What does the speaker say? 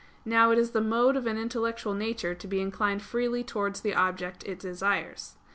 Now it is the mode of an intellectual nature to be inclined freely towards the objects it desires.